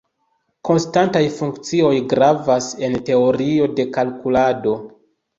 Konstantaj funkcioj gravas en teorio de kalkulado.